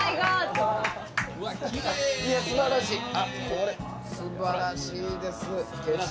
これすばらしいです景色。